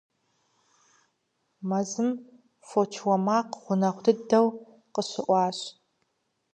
Мэзым фоч уэ макъ гъунэгъу дыдэу къыщыӀуащ.